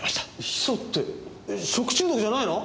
ヒ素って食中毒じゃないの？